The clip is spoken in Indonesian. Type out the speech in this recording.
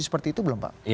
seperti itu belum pak